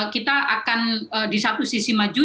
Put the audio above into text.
kita akan di satu sisi maju